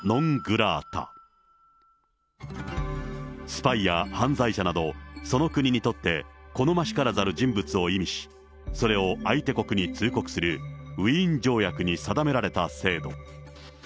スパイや犯罪者など、その国にとって好ましからざる人物を意味し、それを相手国に通告するウィーン条約に定められた制度。